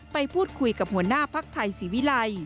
ไปพูดคุยกับหัวหน้าภักดิ์ไทยศรีวิลัย